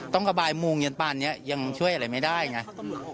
ต้องกระบายมูงเย็นปั่นเนี่ยยังช่วยอะไรไม่ได้ไง